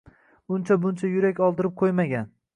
Uncha-buncha yurak oldirib qo‘ymagan.